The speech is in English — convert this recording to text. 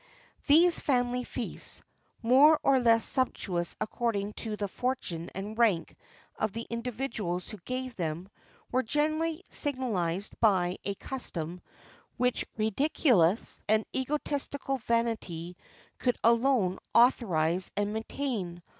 [XXX 41] These family feasts, more or less sumptuous according to the fortune and rank of the individuals who gave them, were generally signalized by a custom which ridiculous and egotistical vanity could alone authorise and maintain.